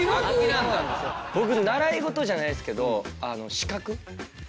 僕習い事じゃないですけど。